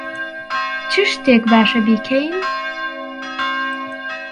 چ شتێک باشە بیکەین؟